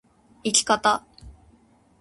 生き方